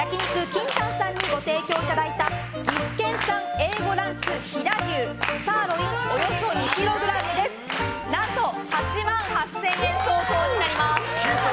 ＫＩＮＴＡＮさんにご提供いただいた岐阜県産Ａ５ランク飛騨牛サーロインおよそ２ｋｇ何と８万８０００円相当になります。